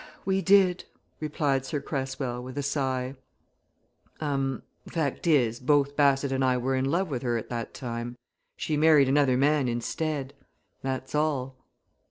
"We did!" replied Sir Cresswell, with a sigh. "Um! the fact is, both Bassett and I were in love with her at that time. She married another man instead. That's all!"